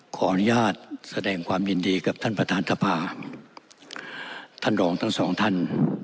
ขออนุญาตแสดงความยินดีกับท่านประธานสภาท่านรองทั้งสองท่าน